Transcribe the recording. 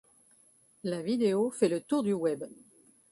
La vidéo fait le tour du web.